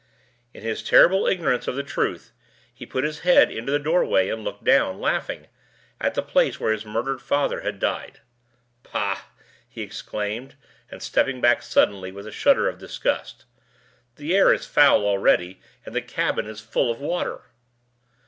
In his terrible ignorance of the truth, he put his head into the doorway and looked down, laughing, at the place where his murdered father had died. "Pah!" he exclaimed, stepping back suddenly, with a shudder of disgust. "The air is foul already; and the cabin is full of water."